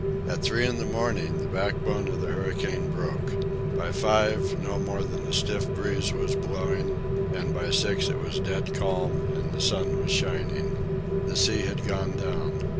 At three in the morning the backbone of the hurricane broke. By five no more than a stiff breeze was blowing. And by six it was dead calm and the sun was shining. The sea had gone down.